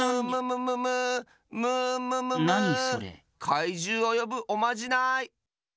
かいじゅうをよぶおまじない！